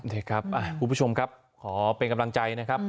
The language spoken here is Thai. เด็กครับคุณผู้ชมครับขอเป็นกำลังใจนะครับ